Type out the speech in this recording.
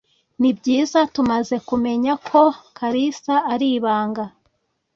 Nibyiza, tumaze kumenya ko Kalisa ari ibanga.